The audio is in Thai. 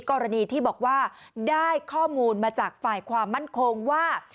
กรณีที่บอกว่าได้ข้อมูลมาจากฝ่ายความมั่นคงว่า